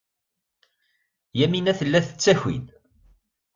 Yamina tella tettaki-d.